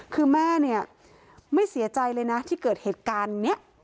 คือแม่เนี่ยไม่เสียใจเลยนะที่เกิดเหตุการณ์นี้